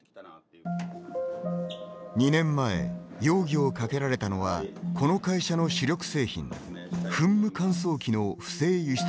２年前、容疑をかけられたのはこの会社の主力製品噴霧乾燥機の不正輸出でした。